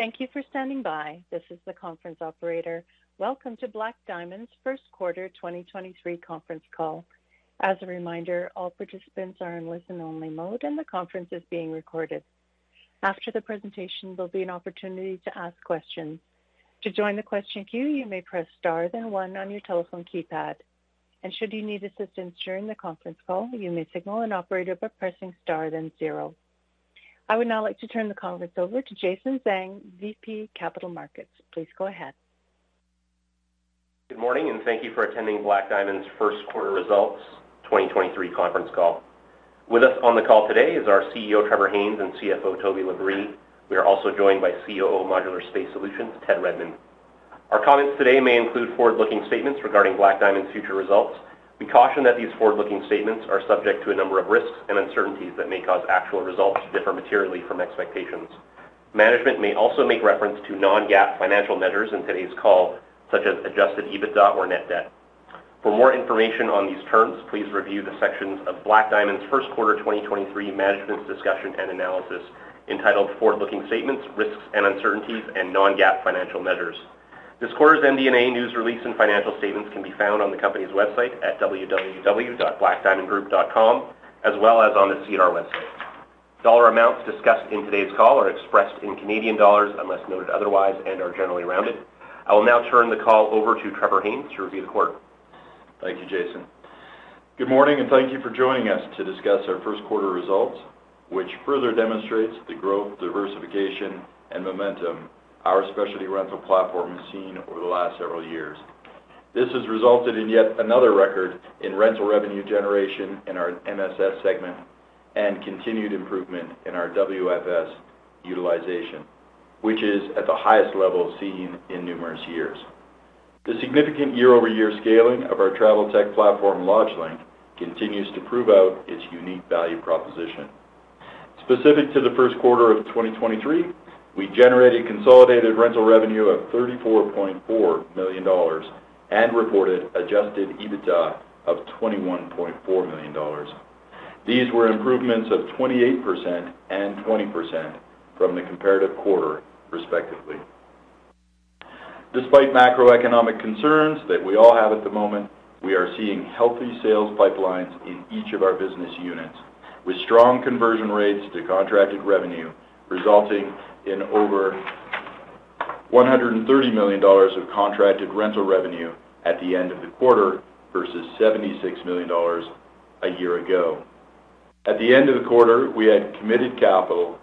Thank you for standing by. This is the conference operator. Welcome to Black Diamond's First Quarter 2023 Conference Call. As a reminder, all participants are in listen-only mode and the conference is being recorded. After the presentation, there'll be an opportunity to ask questions. To join the question queue, you may press star then one on your telephone keypad. Should you need assistance during the conference call, you may signal an operator by pressing star then zero. I would now like to turn the conference over to Jason Zhang, VP Capital Markets. Please go ahead. Good morning. Thank you for attending Black Diamond's first quarter results 2023 conference call. With us on the call today is our CEO Trevor Haynes, and CFO Toby LaBrie. We are also joined by COO Modular Space Solutions Ted Redmond. Our comments today may include forward-looking statements regarding Black Diamond's future results. We caution that these forward-looking statements are subject to a number of risks and uncertainties that may cause actual results to differ materially from expectations. Management may also make reference to non-GAAP financial measures in today's call, such as Adjusted EBITDA or net debt. For more information on these terms, please review the sections of Black Diamond's first quarter 2023 Management's Discussion and Analysis entitled Forward-Looking Statements, Risks and Uncertainties, and Non-GAAP Financial Measures. This quarter's MD&A news release and financial statements can be found on the company's website at www.blackdiamondgroup.com, as well as on the SEDAR website. Dollar amounts discussed in today's call are expressed in Canadian dollars unless noted otherwise and are generally rounded. I will now turn the call over to Trevor Haynes to review the quarter. Thank you, Jason. Good morning, and thank you for joining us to discuss our first quarter results, which further demonstrates the growth, diversification and momentum our specialty rental platform has seen over the last several years. This has resulted in yet another record in rental revenue generation in our MSS segment and continued improvement in our WFS utilization, which is at the highest level seen in numerous years. The significant year-over-year scaling of our travel tech platform, LodgeLink, continues to prove out its unique value proposition. Specific to the first quarter of 2023, we generated consolidated rental revenue of 34.4 million dollars and reported Adjusted EBITDA of 21.4 million dollars. These were improvements of 28% and 20% from the comparative quarter, respectively. Despite macroeconomic concerns that we all have at the moment, we are seeing healthy sales pipelines in each of our business units, with strong conversion rates to contracted revenue, resulting in over 130 million dollars of contracted rental revenue at the end of the quarter versus 76 million dollars a year ago. At the end of the quarter, we had committed capital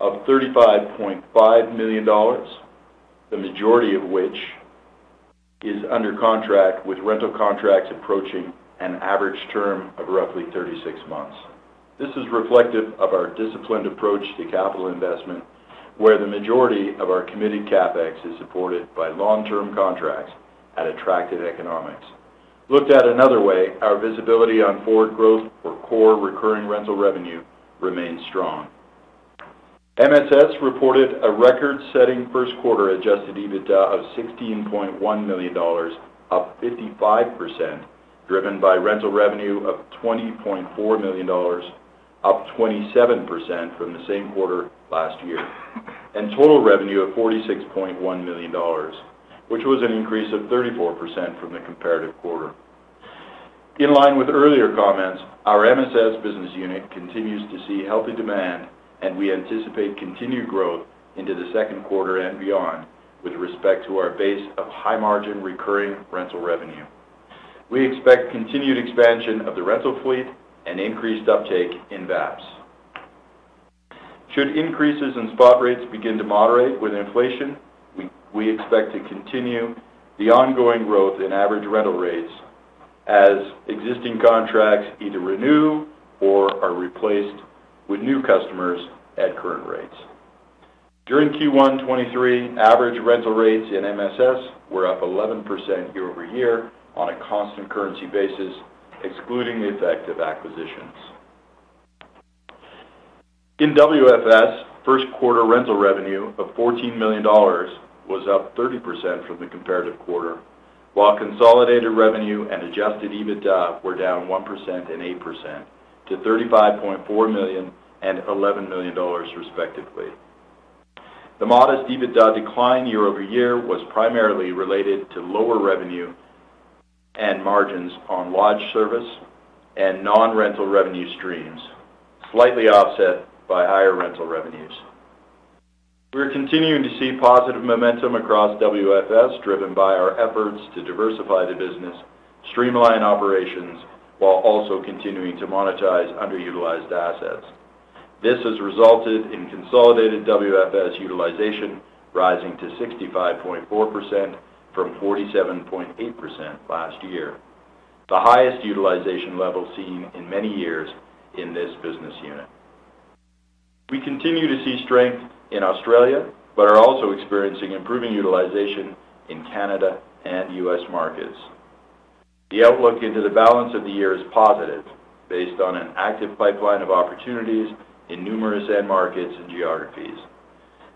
of 35.5 million dollars, the majority of which is under contract, with rental contracts approaching an average term of roughly 36 months. This is reflective of our disciplined approach to capital investment, where the majority of our committed CapEx is supported by long-term contracts at attractive economics. Looked at another way, our visibility on forward growth for core recurring rental revenue remains strong. MSS reported a record-setting first quarter Adjusted EBITDA of 16.1 million dollars, up 55%, driven by rental revenue of 20.4 million dollars, up 27% from the same quarter last year, and total revenue of 46.1 million dollars, which was an increase of 34% from the comparative quarter. In line with earlier comments, our MSS business unit continues to see healthy demand, and we anticipate continued growth into the second quarter and beyond with respect to our base of high-margin recurring rental revenue. We expect continued expansion of the rental fleet and increased uptake in VAPS. Should increases in spot rates begin to moderate with inflation, we expect to continue the ongoing growth in average rental rates as existing contracts either renew or are replaced with new customers at current rates. During Q1 2023, average rental rates in MSS were up 11% year-over-year on a constant currency basis, excluding the effect of acquisitions. In WFS, first quarter rental revenue of 14 million dollars was up 30% from the comparative quarter, while consolidated revenue and Adjusted EBITDA were down 1% and 8% to 35.4 million and 11 million dollars, respectively. The modest EBITDA decline year-over-year was primarily related to lower revenue and margins on lodge service and non-rental revenue streams, slightly offset by higher rental revenues. We're continuing to see positive momentum across WFS, driven by our efforts to diversify the business, streamline operations, while also continuing to monetize underutilized assets. This has resulted in consolidated WFS utilization rising to 65.4% from 47.8% last year, the highest utilization level seen in many years in this business unit. We continue to see strength in Australia, but are also experiencing improving utilization in Canada and U.S. markets. The outlook into the balance of the year is positive based on an active pipeline of opportunities in numerous end markets and geographies.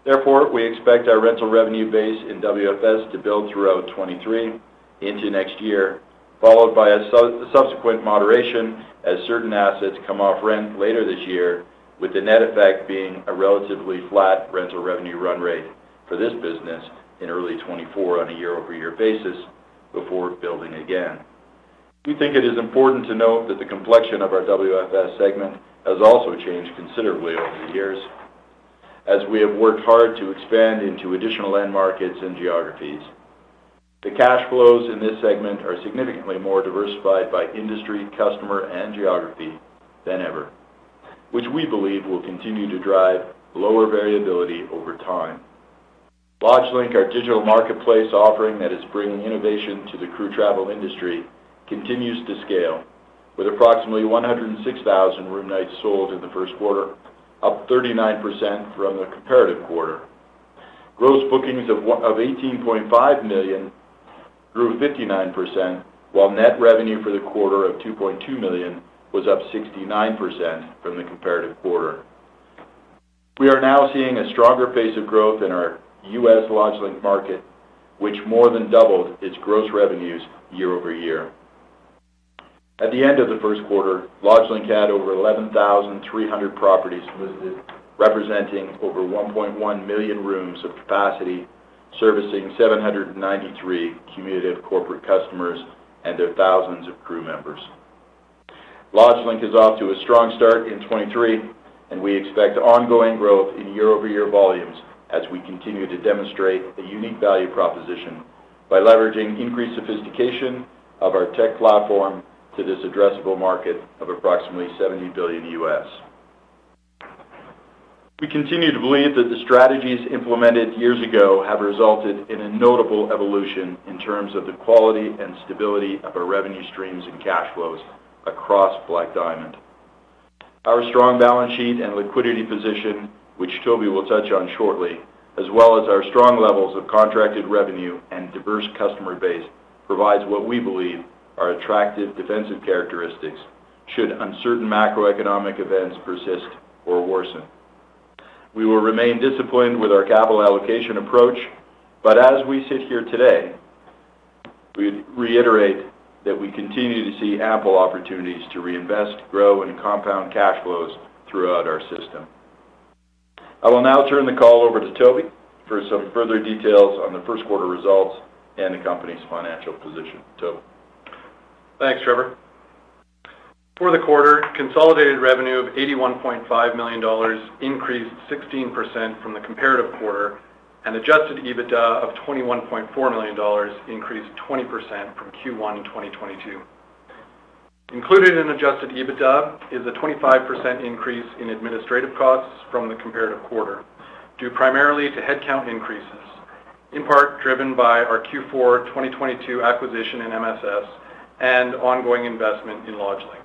Therefore, we expect our rental revenue base in WFS to build throughout 2023 into next year. Followed by a subsequent moderation as certain assets come off rent later this year, with the net effect being a relatively flat rental revenue run rate for this business in early 2024 on a year-over-year basis before building again. We think it is important to note that the complexion of our WFS segment has also changed considerably over the years as we have worked hard to expand into additional end markets and geographies. The cash flows in this segment are significantly more diversified by industry, customer, and geography than ever, which we believe will continue to drive lower variability over time. LodgeLink, our digital marketplace offering that is bringing innovation to the crew travel industry, continues to scale with approximately 106,000 room nights sold in the first quarter, up 39% from the comparative quarter. Gross bookings of 18.5 million grew 59%, while net revenue for the quarter of 2.2 million was up 69% from the comparative quarter. We are now seeing a stronger pace of growth in our U.S. LodgeLink market, which more than doubled its gross revenues year-over-year. At the end of the first quarter, LodgeLink had over 11,300 properties listed, representing over 1.1 million rooms of capacity, servicing 793 cumulative corporate customers and their thousands of crew members. LodgeLink is off to a strong start in 2023. We expect ongoing growth in year-over-year volumes as we continue to demonstrate a unique value proposition by leveraging increased sophistication of our tech platform to this addressable market of approximately $70 billion. We continue to believe that the strategies implemented years ago have resulted in a notable evolution in terms of the quality and stability of our revenue streams and cash flows across Black Diamond. Our strong balance sheet and liquidity position, which Toby will touch on shortly, as well as our strong levels of contracted revenue and diverse customer base, provides what we believe are attractive defensive characteristics should uncertain macroeconomic events persist or worsen. We will remain disciplined with our capital allocation approach. As we sit here today, we reiterate that we continue to see ample opportunities to reinvest, grow, and compound cash flows throughout our system. I will now turn the call over to Toby for some further details on the first quarter results and the company's financial position. Toby. Thanks, Trevor. For the quarter, consolidated revenue of 81.5 million dollars increased 16% from the comparative quarter, and Adjusted EBITDA of 21.4 million dollars increased 20% from Q1 in 2022. Included in Adjusted EBITDA is a 25% increase in administrative costs from the comparative quarter, due primarily to headcount increases, in part driven by our Q4 2022 acquisition in MSS and ongoing investment in LodgeLink.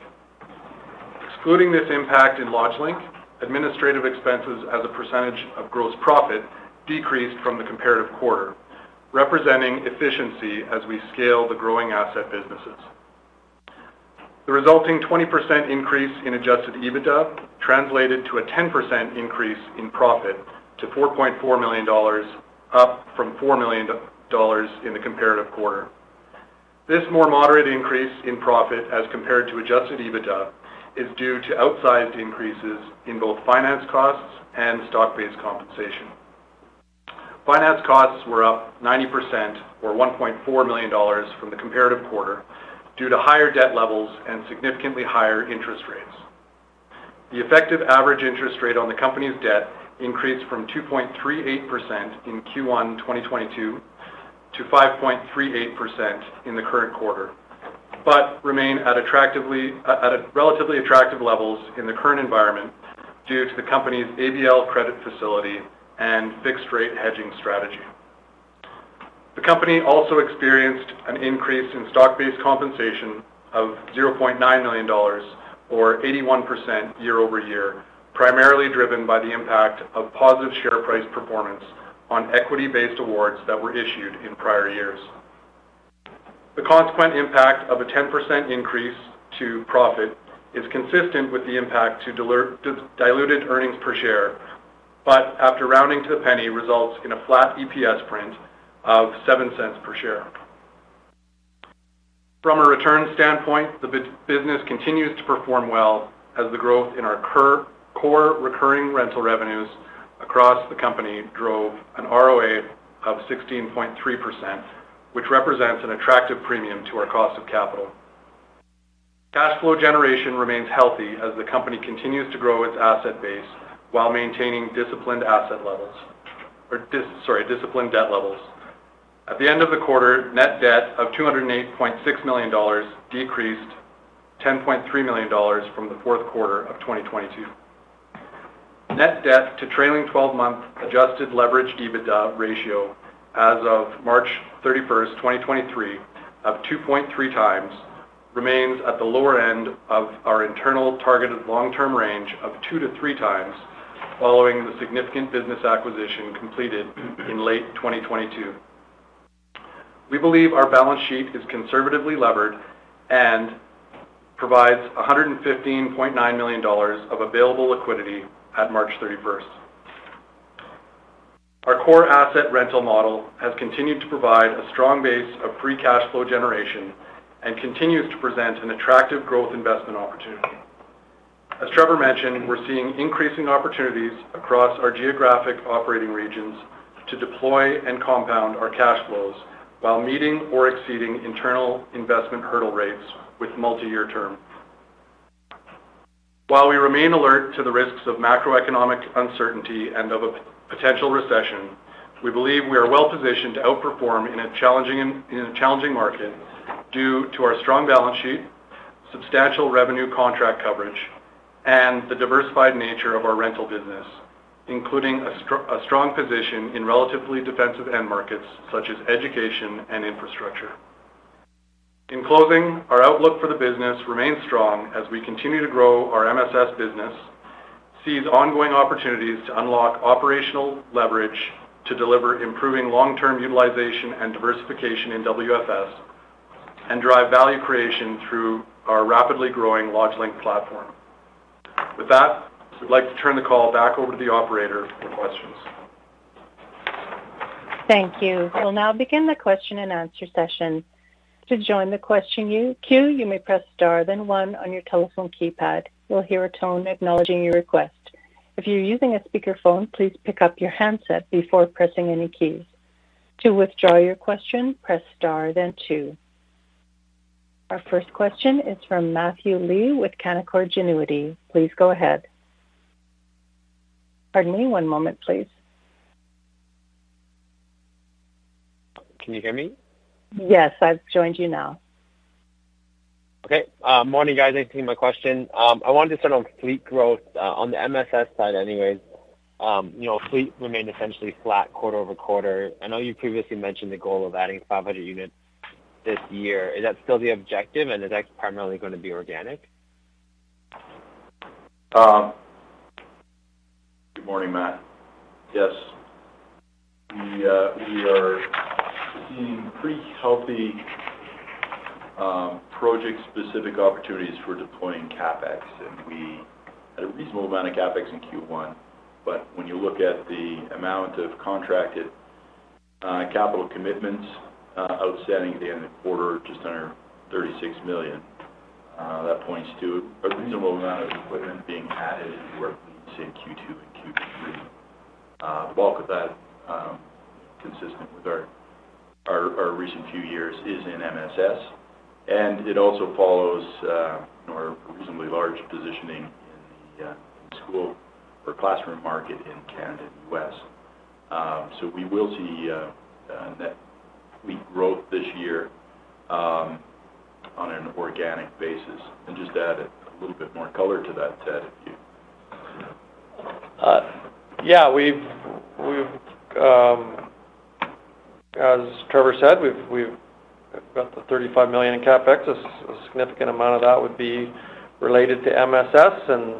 Excluding this impact in LodgeLink, administrative expenses as a percentage of gross profit decreased from the comparative quarter, representing efficiency as we scale the growing asset businesses. The resulting 20% increase in Adjusted EBITDA translated to a 10% increase in profit to 4.4 million dollars, up from 4 million dollars in the comparative quarter. This more moderate increase in profit as compared to Adjusted EBITDA is due to outsized increases in both finance costs and stock-based compensation. Finance costs were up 90% or 1.4 million dollars from the comparative quarter due to higher debt levels and significantly higher interest rates. The effective average interest rate on the company's debt increased from 2.38% in Q1 2022 to 5.38% in the current quarter, but remain at relatively attractive levels in the current environment due to the company's ABL credit facility and fixed rate hedging strategy. The company also experienced an increase in stock-based compensation of 0.9 million dollars or 81% year-over-year, primarily driven by the impact of positive share price performance on equity-based awards that were issued in prior years. The consequent impact of a 10% increase to profit is consistent with the impact to diluted earnings per share. After rounding to the penny, results in a flat EPS print of 0.07 per share. From a return standpoint, the business continues to perform well as the growth in our core recurring rental revenues across the company drove an ROA of 16.3%, which represents an attractive premium to our cost of capital. Cash flow generation remains healthy as the company continues to grow its asset base while maintaining disciplined asset levels. Sorry, disciplined debt levels. At the end of the quarter, net debt of 208.6 million dollars decreased 10.3 million dollars from the fourth quarter of 2022. Net debt to trailing 12-month Adjusted Leverage EBITDA ratio as of March 31st, 2023 of 2.3 times remains at the lower end of our internal targeted long-term range of two to three times following the significant business acquisition completed in late 2022. We believe our balance sheet is conservatively levered and provides 115.9 million dollars of available liquidity at March 31st. Our core asset rental model has continued to provide a strong base of free cash flow generation and continues to present an attractive growth investment opportunity. As Trevor mentioned, we're seeing increasing opportunities across our geographic operating regions to deploy and compound our cash flows while meeting or exceeding internal investment hurdle rates with multi-year terms. While we remain alert to the risks of macroeconomic uncertainty and of a potential recession, we believe we are well-positioned to outperform in a challenging market due to our strong balance sheet, substantial revenue contract coverage, and the diversified nature of our rental business, including a strong position in relatively defensive end markets such as education and infrastructure. In closing, our outlook for the business remains strong as we continue to grow our MSS business, seize ongoing opportunities to unlock operational leverage to deliver improving long-term utilization and diversification in WFS, and drive value creation through our rapidly growing LodgeLink platform. With that, we'd like to turn the call back over to the operator for questions. Thank you. We'll now begin the question and answer session. To join the question queue, you may press star then one on your telephone keypad. You'll hear a tone acknowledging your request. If you're using a speakerphone, please pick up your handset before pressing any keys. To withdraw your question, press star then two. Our first question is from Matthew Lee with Canaccord Genuity. Please go ahead. Pardon me one moment, please. Can you hear me? Yes, I've joined you now. Okay. Morning, guys. Thanks for taking my question. I wanted to start on fleet growth on the MSS side anyways. You know, fleet remained essentially flat quarter-over-quarter. I know you previously mentioned the goal of adding 500 units this year. Is that still the objective, and is that primarily gonna be organic? Good morning, Matt. Yes. We are seeing pretty healthy, project-specific opportunities for deploying CapEx, and we had a reasonable amount of CapEx in Q1. When you look at the amount of contracted, capital commitments, outstanding at the end of the quarter, just under 36 million, that points to a reasonable amount of equipment being added to work leads in Q2 and Q3. The bulk of that, consistent with our recent few years is in MSS. It also follows, you know, our reasonably large positioning in the school or classroom market in Canada and U.S. We will see net fleet growth this year on an organic basis. Just to add a little bit more color to that, Ted, if you. Yeah. As Trevor said, about the 35 million in CapEx, a significant amount of that would be related to MSS,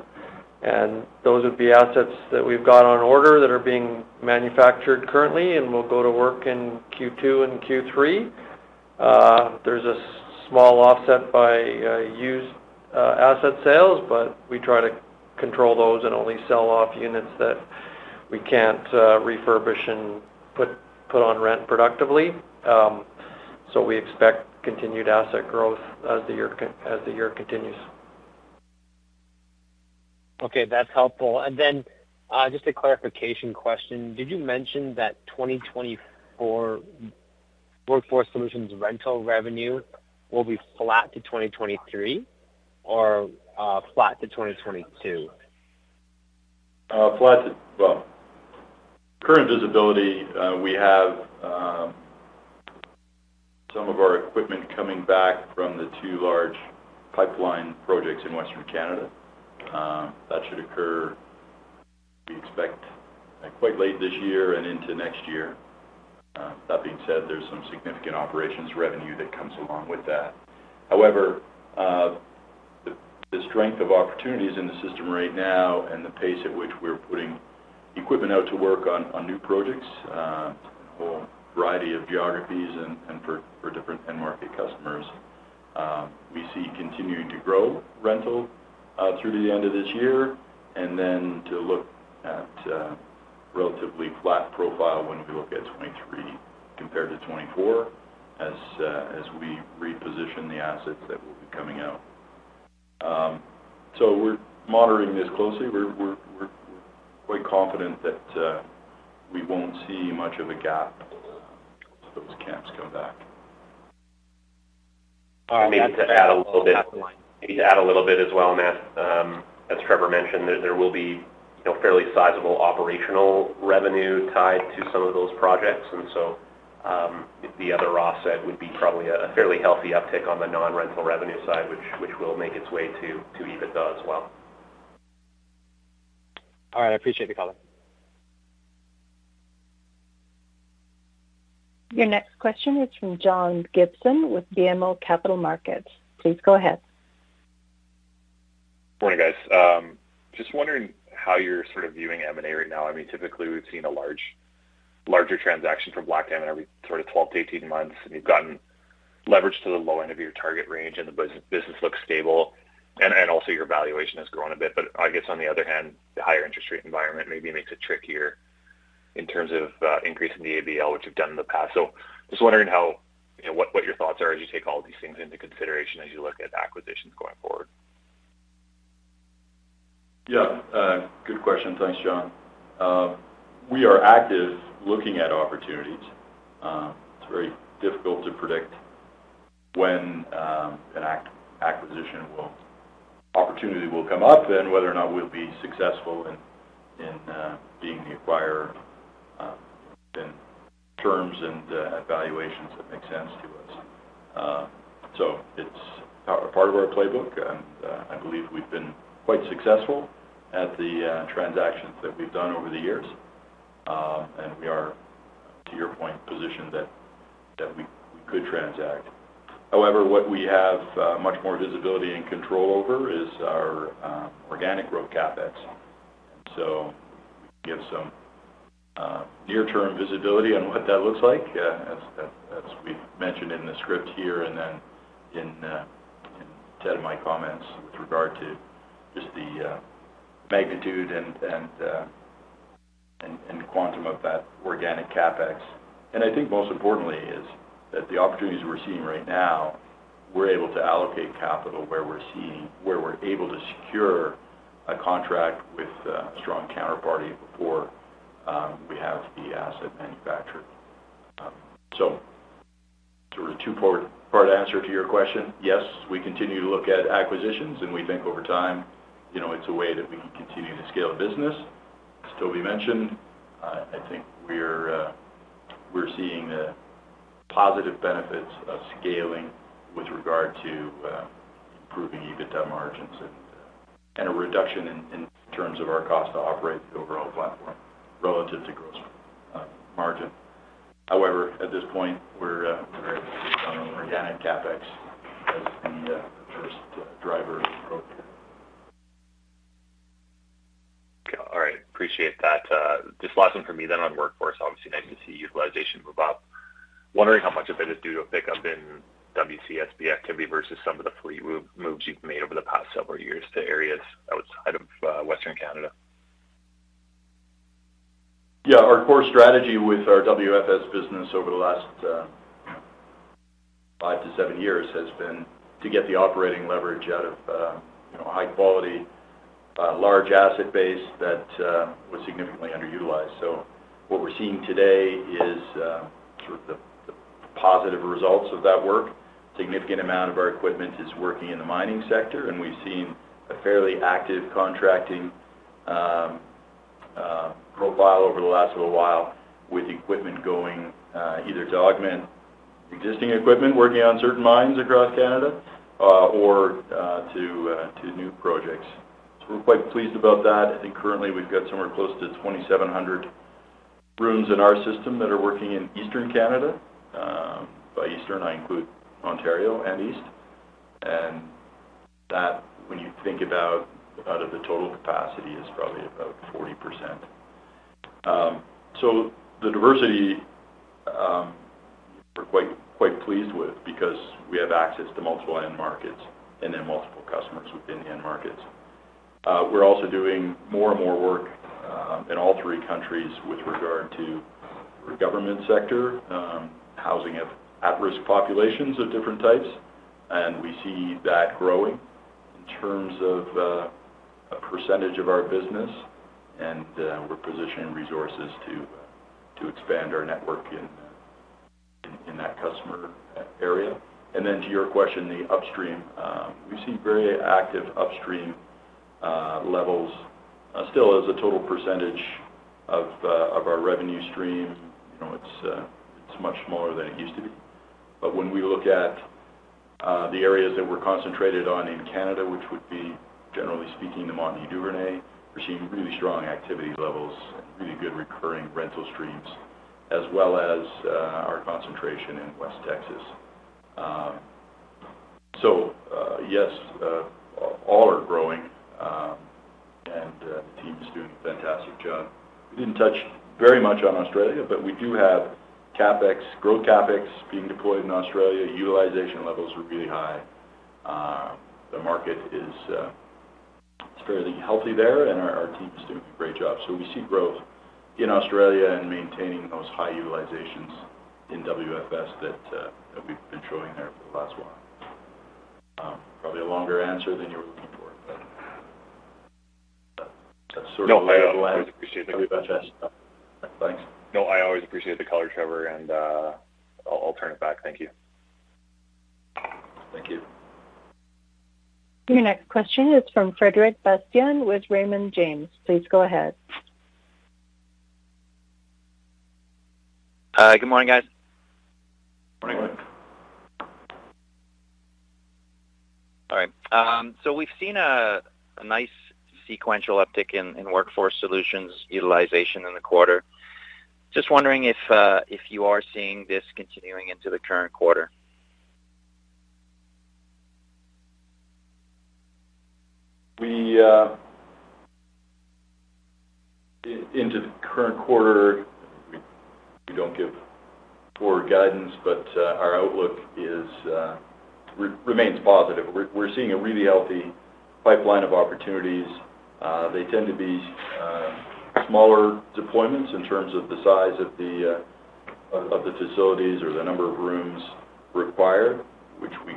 and those would be assets that we've got on order that are being manufactured currently and will go to work in Q2 and Q3. There's a small offset by used asset sales, but we try to control those and only sell off units that we can't refurbish and put on rent productively. So we expect continued asset growth as the year continues. Okay. That's helpful. Just a clarification question. Did you mention that 2024 Workforce Solutions rental revenue will be flat to 2023 or, flat to 2022? Current visibility, we have some of our equipment coming back from the two large pipeline projects in Western Canada. That should occur, we expect, quite late this year and into next year. That being said, there's some significant operations revenue that comes along with that. However, the strength of opportunities in the system right now and the pace at which we're putting equipment out to work on new projects, for a variety of geographies and for different end market customers, we see continuing to grow rental through to the end of this year. Then to look at a relatively flat profile when we look at 2023 compared to 2024 as we reposition the assets that will be coming out. We're monitoring this closely. We're quite confident that we won't see much of a gap as those camps come back. All right. Maybe to add a little bit as well, Matt. As Trevor mentioned, there will be, you know, fairly sizable operational revenue tied to some of those projects. The other offset would be probably a fairly healthy uptick on the non-rental revenue side, which will make its way to EBITDA as well. All right. I appreciate the color. Your next question is from John Gibson with BMO Capital Markets. Please go ahead. Morning, guys. Just wondering how you're sort of viewing M&A right now. I mean, typically, we've seen a larger transaction from Black & McDonald every sort of 12-18 months, and you've gotten leverage to the low end of your target range and the business looks stable and also your valuation has grown a bit. I guess on the other hand, the higher interest rate environment maybe makes it trickier in terms of increasing the ABL, which you've done in the past. Just wondering how, you know, what your thoughts are as you take all these things into consideration as you look at acquisitions going forward. Good question. Thanks, John. We are active looking at opportunities. It's very difficult to predict when an acquisition opportunity will come up and whether or not we'll be successful in being the acquirer, in terms and valuations that make sense to us. It's part of our playbook, and I believe we've been quite successful at the transactions that we've done over the years. We are, to your point, positioned that we could transact. However, what we have much more visibility and control over is our organic growth CapEx. We can give some near-term visibility on what that looks like, as we've mentioned in the script here and then in Ted and my comments with regard to just the magnitude and quantum of that organic CapEx. I think most importantly is that the opportunities we're seeing right now, we're able to allocate capital where we're able to secure a contract with a strong counterparty before we have the asset manufactured. Sort of a two-part answer to your question. Yes, we continue to look at acquisitions, and we think over time, you know, it's a way that we can continue to scale the business. As Toby mentioned, I think we're seeing the positive benefits of scaling with regard to improving EBITDA margins and a reduction in terms of our cost to operate the overall platform relative to gross margin. However, at this point, we're very focused on organic CapEx as the first driver of growth. Okay. All right. Appreciate that. Just last one from me then on Workforce. Obviously, nice to see utilization move up. Wondering how much of it is due to a pickup in WCSB activity versus some of the fleet moves you've made over the past several years to areas outside of Western Canada. Yeah. Our core strategy with our WFS business over the last, five to seven years has been to get the operating leverage out of, you know, a high quality, large asset base that was significantly underutilized. What we're seeing today is, sort of the positive results of that work. Significant amount of our equipment is working in the mining sector, and we've seen a fairly active contracting, profile over the last little while with equipment going, either to augment existing equipment working on certain mines across Canada, or, to new projects. We're quite pleased about that. I think currently we've got somewhere close to 2,700 rooms in our system that are working in Eastern Canada. By Eastern, I include Ontario and east. That, when you think about, out of the total capacity, is probably about 40%. So the diversity, we're quite pleased with because we have access to multiple end markets and then multiple customers within the end markets. We're also doing more and more work in all three countries with regard to the government sector, housing of at-risk populations of different types, and we see that growing in terms of a percentage of our business. We're positioning resources to expand our network in that customer area. To your question, the upstream, we see very active upstream levels. Still as a total percentage of our revenue stream, you know, it's much smaller than it used to be. When we look at the areas that we're concentrated on in Canada, which would be, generally speaking, the Montney, we're seeing really strong activity levels and really good recurring rental streams, as well as our concentration in West Texas. Yes, all are growing. The team is doing a fantastic job. We didn't touch very much on Australia, but we do have CapEx, growth CapEx being deployed in Australia. Utilization levels are really high. The market is fairly healthy there, and our team is doing a great job. We see growth in Australia and maintaining those high utilizations in WFS that we've been showing there for the last while. Probably a longer answer than you were looking for, but that's sort of. No, I always appreciate. Help you out, yes? No. Thanks. No, I always appreciate the color, Trevor, and, I'll turn it back. Thank you. Thank you. Your next question is from Frederic Bastien with Raymond James. Please go ahead. Good morning, guys. Morning. All right. We've seen a nice sequential uptick in Workforce Solutions utilization in the quarter. Just wondering if you are seeing this continuing into the current quarter. We into the current quarter, we don't give poor guidance, but our outlook is remains positive. We're seeing a really healthy pipeline of opportunities. They tend to be smaller deployments in terms of the size of the facilities or the number of rooms required, which we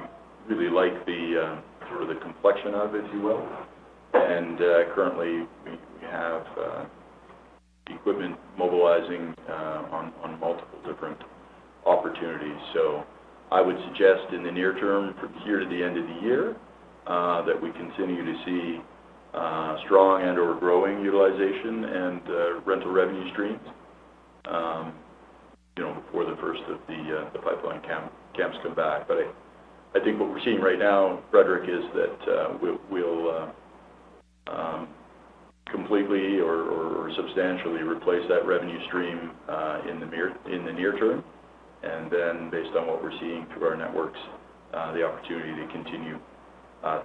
really like the sort of the complexion of, if you will. Currently, we have equipment mobilizing on multiple different opportunities. I would suggest in the near term, from here to the end of the year, that we continue to see strong and/or growing utilization and rental revenue streams, you know, before the first of the pipeline camps come back. I think what we're seeing right now, Frederic, is that we'll completely or substantially replace that revenue stream in the near term. Based on what we're seeing through our networks, the opportunity to continue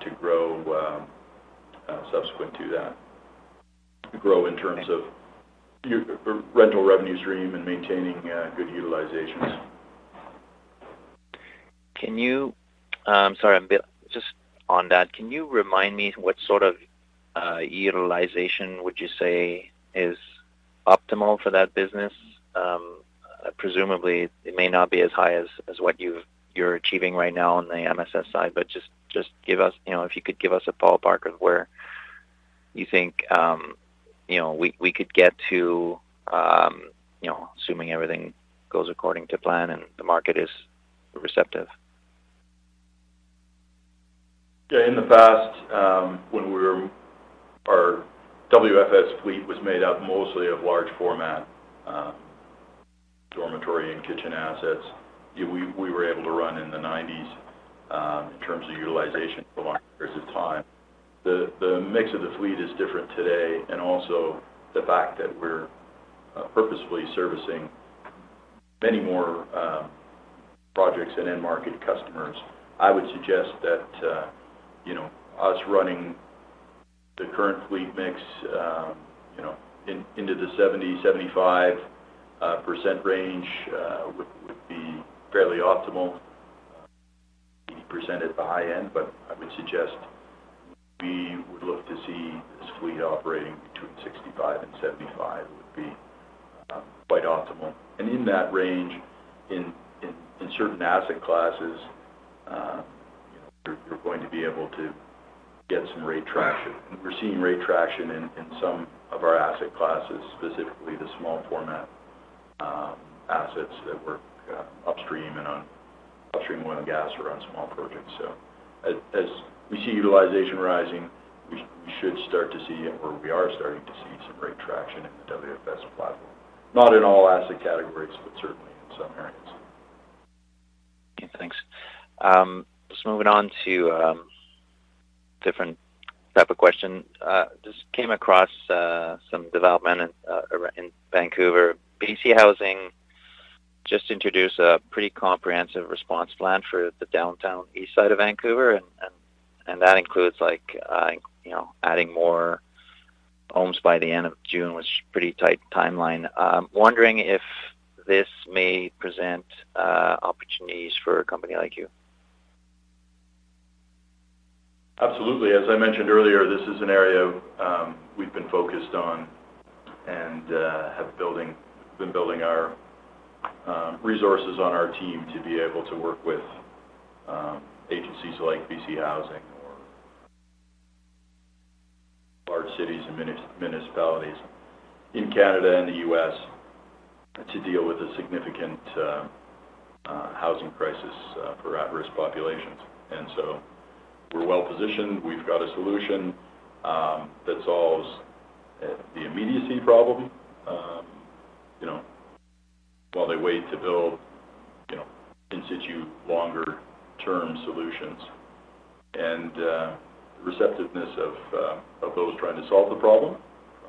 to grow subsequent to that. Grow in terms of your rental revenue stream and maintaining good utilizations. Sorry, just on that, can you remind me what sort of utilization would you say is optimal for that business? Presumably, it may not be as high as what you're achieving right now on the MSS side, but just give us, you know, if you could give us a ballpark of where you think, you know, we could get to, you know, assuming everything goes according to plan and the market is receptive. Yeah. In the past, our WFS fleet was made up mostly of large format, dormitory and kitchen assets. Yeah, we were able to run in the 90%s in terms of utilization for long periods of time. The mix of the fleet is different today, also the fact that we're purposefully servicing many more projects and end market customers. I would suggest that, you know, us running the current fleet mix, you know, into the 70%-75% range, would be fairly optimal. 80% at the high end, I would suggest we would look to see this fleet operating between 65% and 75% would be quite optimal. In that range, in certain asset classes, you know, we're going to be able to get some rate traction. We're seeing rate traction in some of our asset classes, specifically the small format assets that work upstream and on upstream oil and gas around small projects. As we see utilization rising, we should start to see, or we are starting to see some rate traction in the WFS platform. Not in all asset categories, but certainly in some areas. Okay, thanks. Just moving on to different type of question. Just came across some development in around in Vancouver. BC Housing just introduced a pretty comprehensive response plan for the downtown east side of Vancouver. That includes like, you know, adding more homes by the end of June, which is pretty tight timeline. Wondering if this may present opportunities for a company like you. Absolutely. As I mentioned earlier, this is an area, we've been focused on and have been building our resources on our team to be able to work with agencies like BC Housing or large cities and municipalities in Canada and the U.S. to deal with a significant housing crisis for at-risk populations. We're well positioned. We've got a solution that solves the immediacy problem, you know, while they wait to build, you know, institute longer term solutions. Receptiveness of those trying to solve the problem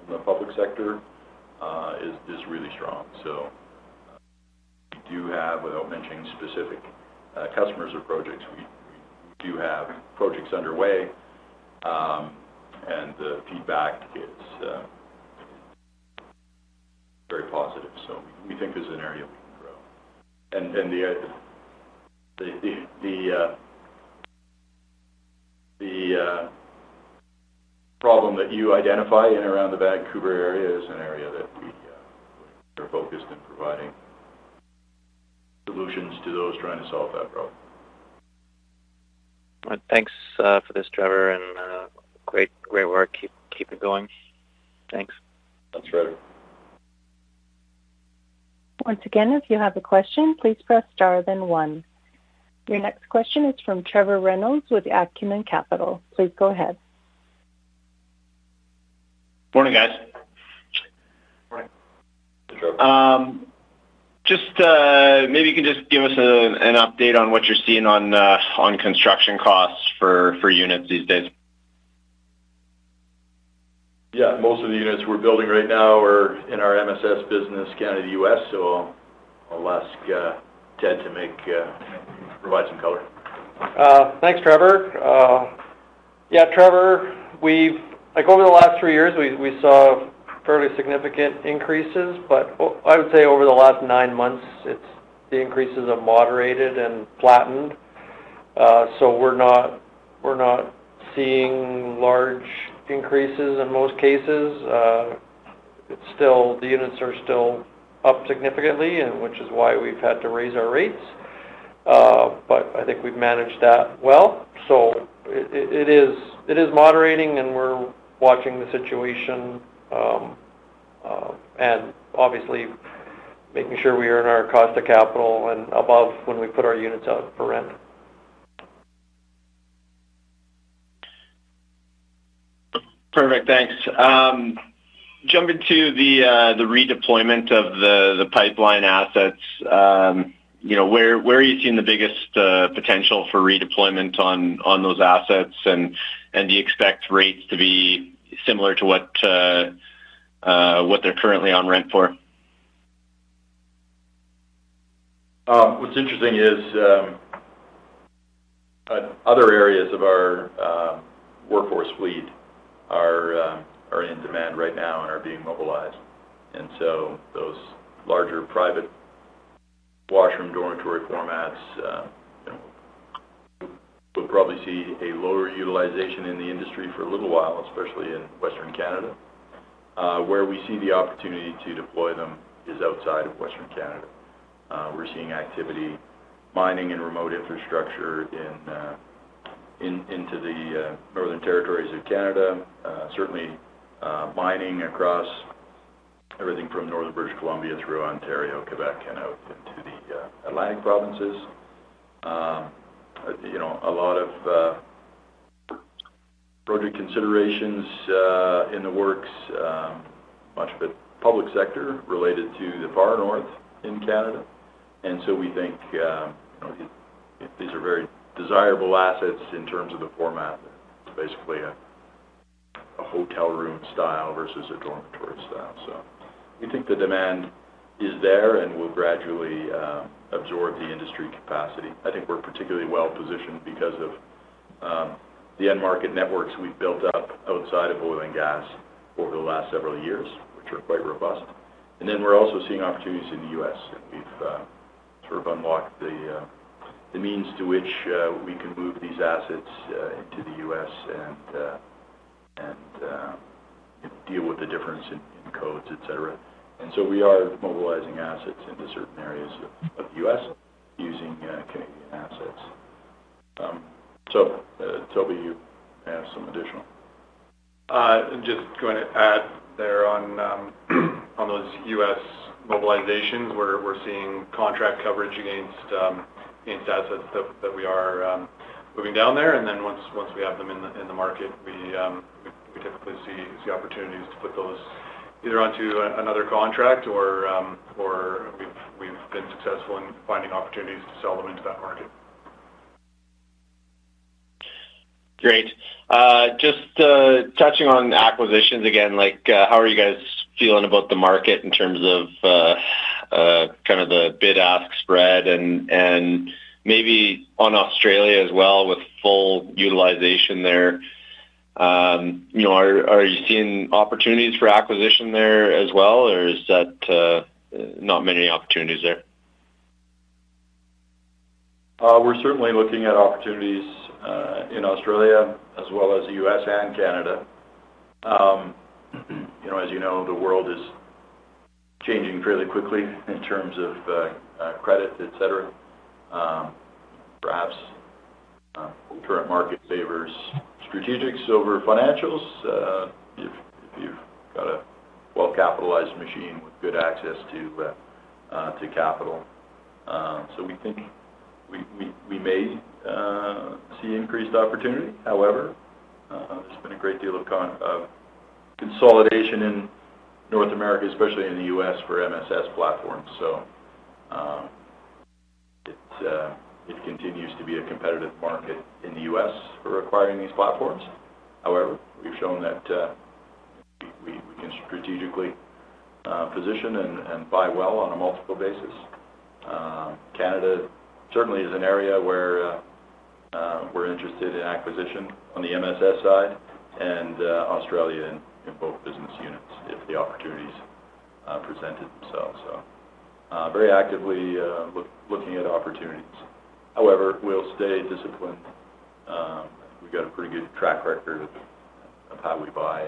in the public sector is really strong. We do have, without mentioning specific customers or projects, we do have projects underway, and the feedback is very positive. We think this is an area we can grow. The problem that you identify in around the Vancouver area is an area that we're focused in providing solutions to those trying to solve that problem. All right. Thanks for this, Trevor, and great work. Keep it going. Thanks. Thanks, Frederic. Once again, if you have a question, please press star then one. Your next question is from Trevor Reynolds with Acumen Capital. Please go ahead. Morning, guys. Morning. Trevor. Just, maybe you can just give us an update on what you're seeing on construction costs for units these days? Most of the units we're building right now are in our MSS business, Canada, U.S. I'll ask Ted to provide some color. Thanks, Trevor. Yeah, Trevor, we've Like, over the last three years, we saw fairly significant increases. I would say over the last nine months, it's the increases have moderated and flattened. We're not seeing large increases in most cases. It's still the units are still up significantly, and which is why we've had to raise our rates. I think we've managed that well. It is moderating, and we're watching the situation, and obviously making sure we earn our cost of capital and above when we put our units out for rent. Perfect. Thanks. Jumping to the redeployment of the pipeline assets, you know, where are you seeing the biggest potential for redeployment on those assets? Do you expect rates to be similar to what they're currently on rent for? What's interesting is, other areas of our workforce fleet are in demand right now and are being mobilized. Those larger private washroom dormitory formats, you know, we'll probably see a lower utilization in the industry for a little while, especially in Western Canada. Where we see the opportunity to deploy them is outside of Western Canada. We're seeing activity mining in remote infrastructure into the northern territories of Canada, certainly, mining across everything from Northern British Columbia through Ontario, Quebec, and out into the Atlantic provinces. You know, a lot of project considerations in the works, much of it public sector related to the Far North in Canada. We think, you know, these are very desirable assets in terms of the format. It's basically a hotel room style versus a dormitory style. We think the demand is there and will gradually absorb the industry capacity. I think we're particularly well-positioned because of the end market networks we've built up outside of oil and gas over the last several years, which are quite robust. Then we're also seeing opportunities in the U.S., and we've sort of unlocked the means to which we can move these assets into the U.S. and deal with the difference in codes, et cetera. So we are mobilizing assets into certain areas of the U.S. using Canadian assets. Toby, you have some additional. I'm just going to add there on those U.S. mobilizations, we're seeing contract coverage against assets that we are moving down there. Once we have them in the market, we typically see opportunities to put those either onto another contract or we've been successful in finding opportunities to sell them into that market. Great. just, touching on acquisitions again, like, how are you guys feeling about the market in terms of, kind of the bid-ask spread? Maybe on Australia as well with full utilization there, you know, are you seeing opportunities for acquisition there as well? Or is that, not many opportunities there? We're certainly looking at opportunities in Australia as well as the U.S. and Canada. You know, as you know, the world is changing fairly quickly in terms of credit, et cetera. Perhaps, current market favors strategics over financials if you've got a well-capitalized machine with good access to capital. We think we may see increased opportunity. However, there's been a great deal of consolidation in North America, especially in the U.S., for MSS platforms. It continues to be a competitive market in the U.S. for acquiring these platforms. However, we've shown that we can strategically position and buy well on a multiple basis. Canada certainly is an area where we're interested in acquisition on the MSS side and Australia in both business units if the opportunities presented themselves. Very actively looking at opportunities. However, we'll stay disciplined. We've got a pretty good track record of how we buy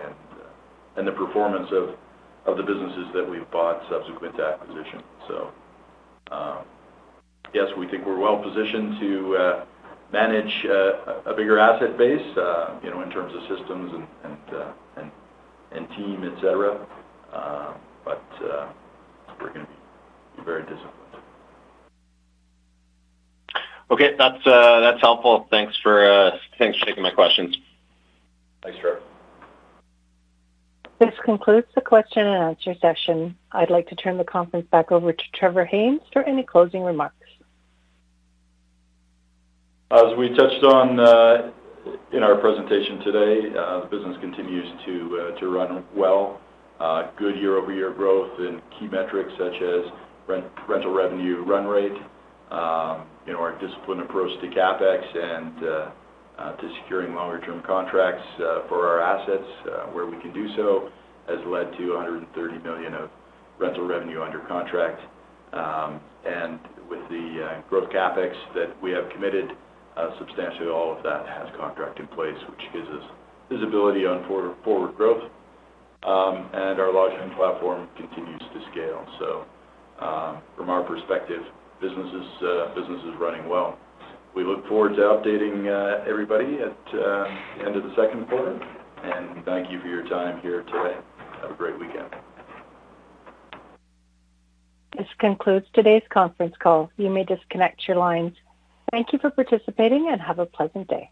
and the performance of the businesses that we've bought subsequent to acquisition. Yes, we think we're well-positioned to manage a bigger asset base, you know, in terms of systems and team, et cetera. We're gonna be very disciplined. Okay. That's, that's helpful. Thanks for, thanks for taking my questions. Thanks, Trevor. This concludes the question and answer session. I'd like to turn the conference back over to Trevor Haynes for any closing remarks. As we touched on in our presentation today, the business continues to run well. Good year-over-year growth in key metrics such as rental revenue run rate. You know, our disciplined approach to CapEx and to securing longer term contracts for our assets, where we can do so, has led to 130 million of rental revenue under contract. With the growth CapEx that we have committed, substantially all of that has contract in place, which gives us visibility on forward growth. Our LodgeLink platform continues to scale. From our perspective, business is running well. We look forward to updating everybody at end of the second quarter. Thank you for your time here today. Have a great weekend. This concludes today's conference call. You may disconnect your lines. Thank you for participating and have a pleasant day.